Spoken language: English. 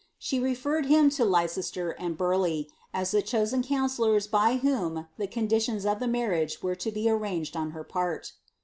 She referred him to Leicester and Burleigh, as the chosen councillors by whom the conditions of the marriage were to be arranged on her part.'